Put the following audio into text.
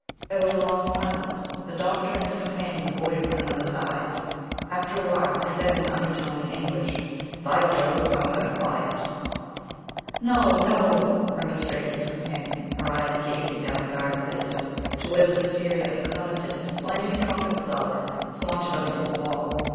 There was a long silence. The Doctor and his companion avoided one another's eyes. After a while, he said in an undertone, in English: "By Jove, I'm going to buy it." "No, no," remonstrated his companion, her eyes gazing down the garden vista to where the wistaria and clematis and flaming trumpet flower flaunted on the old wall.